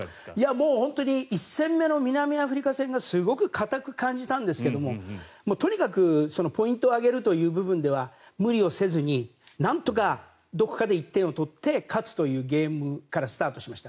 もう本当に１戦目の南アフリカ戦がすごく硬く感じたんですけどもとにかくポイントを挙げるという部分では無理をせずになんとかどこかで１点を取って勝つというゲームからスタートしました。